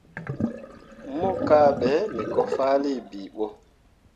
Mo kahɓe me ko fahlii bii ɓo.